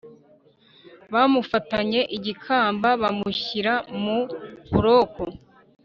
bamufatanye igikamba bamushyira mu buroko